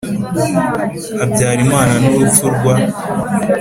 Habyarimana n urupfu rwa